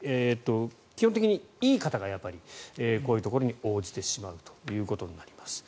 基本的にいい方が、やはりこういうところに応じてしまうということになります。